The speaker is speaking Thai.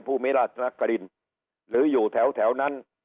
ผู้มิรัตินักษรินตร์หรืออยู่แถวแถวนั้น